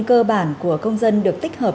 cơ bản của công dân được tích hợp